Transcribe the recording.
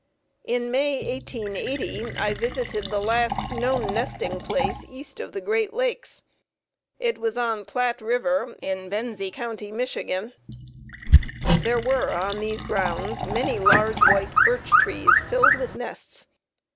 In May, 1880, I visited the last known nesting place east of the Great Lakes. It was on Platt River in Benzie County, Mich. There were on these grounds many large white birch trees filled with nests.